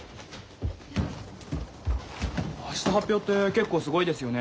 明日発表って結構すごいですよね。